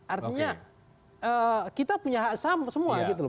artinya kita punya hak sama semua gitu loh